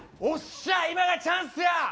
おっしゃ今がチャンスや！